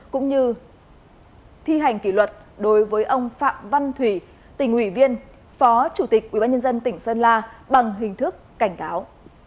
cũng như thi hành kỷ luật đối với ông phạm văn thủy tỉnh ủy viên phó chủ tịch ủy ban nhân dân tỉnh sơn la bằng hình thức cảnh cáo